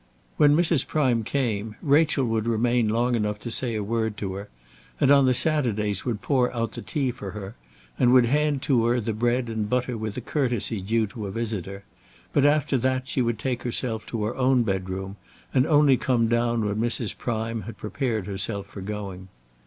When Mrs. Prime came Rachel would remain long enough to say a word to her, and on the Saturdays would pour out the tea for her and would hand to her the bread and butter with the courtesy due to a visitor; but after that she would take herself to her own bedroom, and only come down when Mrs. Prime had prepared herself for going.